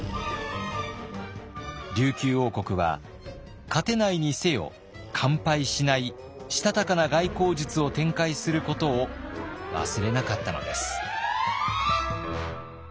琉球王国は勝てないにせよ完敗しないしたたかな外交術を展開することを忘れなかったのです。